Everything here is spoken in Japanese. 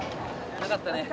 よかったね。